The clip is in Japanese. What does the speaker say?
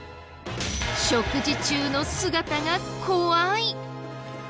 食事中の姿が怖い。